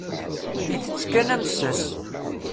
Itett kan amessas.